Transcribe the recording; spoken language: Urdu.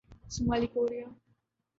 شمالی کوریا